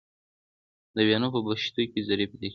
د ویالو په پشتو کې زرۍ پیدا کیږي.